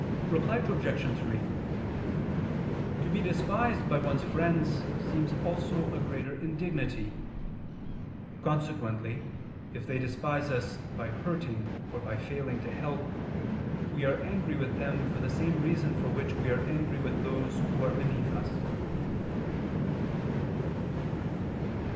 Reply Obj. 3: To be despised by one's friends seems also a greater indignity. Consequently if they despise us by hurting or by failing to help, we are angry with them for the same reason for which we are angry with those who are beneath us.